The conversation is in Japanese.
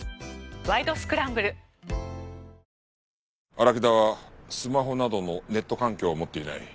荒木田はスマホなどのネット環境を持っていない。